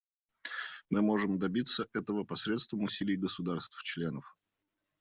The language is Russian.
Мы можем добиться этого посредством усилий государств-членов.